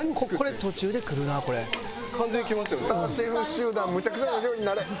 スターシャフ集団むちゃくちゃな料理になれ！